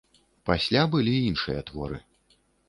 Пасля былі іншыя творы.